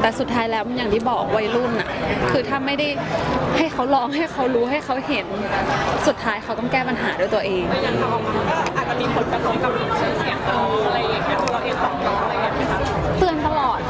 แต่สุดท้ายแล้วอย่างที่บอกวัยรุ่นคือถ้าไม่ได้ให้เขาร้องให้เขารู้ให้เขาเห็นสุดท้ายเขาต้องแก้ปัญหาด้วยตัวเอง